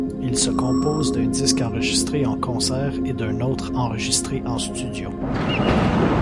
Il se compose d'un disque enregistré en concert et d'un autre enregistré en studio.